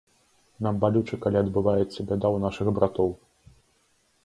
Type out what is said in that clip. Нам балюча, калі адбываецца бяда ў нашых братоў.